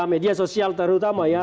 media sosial terutama ya